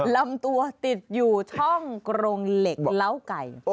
ลำตัวติดอยู่ช่องกรงเหล็กเล้าไก่